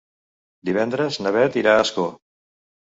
Divendres na Beth irà a Ascó.